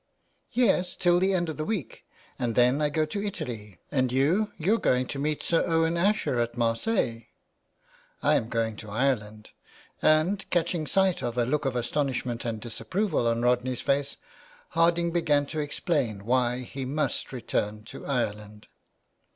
" Yes, till the end of the week ; and then I go to Italy. And you? You're going to meet Sir Owen Asher at Marseilles." " I am going to Ireland," and, catching sight of a look of astonishment and disapproval on Rodney's face, Harding began to explain why he must return to Ireland.